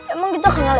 emang gitu kenal ya